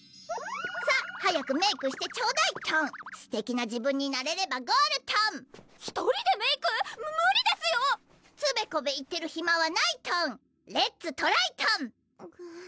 さぁ早くメークしてちょうだいトンすてきな自分になれればゴールトン１人でメーク⁉む無理ですよつべこべ言ってる暇はないトンレッツトライトン！